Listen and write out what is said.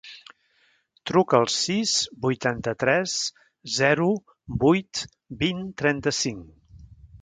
Truca al sis, vuitanta-tres, zero, vuit, vint, trenta-cinc.